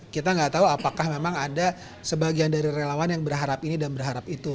kita nggak tahu apakah memang ada sebagian dari relawan yang berharap ini dan berharap itu